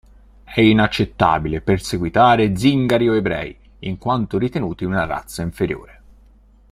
È inaccettabile perseguitare zingari o ebrei in quanto ritenuti una razza inferiore.